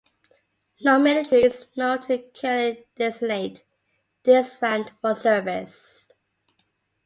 No military is known to currently designate this round for service.